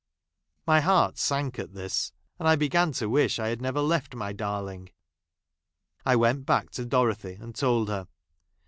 My heart sank at this, and I began to wish I had never left my darling. I went back to Dorothy and told her.